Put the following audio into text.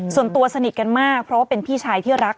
ส่วนตัวสนิทกันมากเพราะว่าเป็นพี่ชายที่รัก